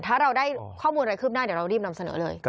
ถ้าเราได้ข้อมูลอะไรคืบหน้าเดี๋ยวเรารีบนำเสนอเลย